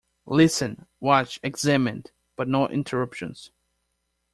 Listen, watch, examine — but no interruptions!